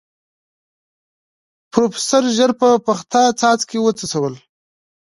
پروفيسر ژر په پخته څاڅکي وڅڅول.